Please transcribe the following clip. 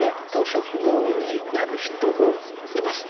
食道になる人もいます。